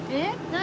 何？